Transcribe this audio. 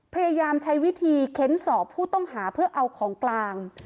พยายามใช้วิธีเค้นสอบผู้ต้องหาเพื่อเอาของกลาง